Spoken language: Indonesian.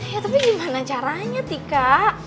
ya tapi gimana caranya tika